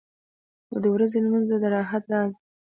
• د ورځې لمونځ د راحت راز دی.